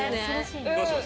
どうします？